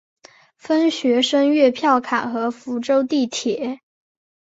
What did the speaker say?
分学生月票卡和福州地铁。